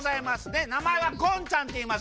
でなまえは「ゴンちゃん」っていいます。